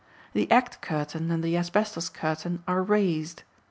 The act curtain and the asbestos curtain are raised.